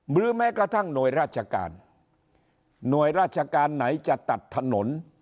หรือแม้กระทั่งหน่วยราชการหน่วยราชการไหนจะตัดถนน